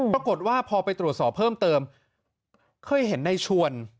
ปรากฏว่าพอไปตรวจสอบเพิ่มเติมเคยเห็นในชวน